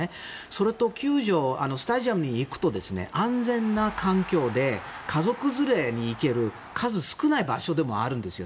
それと、球場、スタジアムに行くと安全な環境で家族連れで行ける数少ない場所でもあるんですよ。